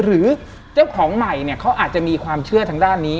หรือเจ้าของใหม่เนี่ยเขาอาจจะมีความเชื่อทางด้านนี้